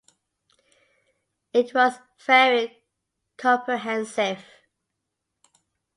It was very comprehensive.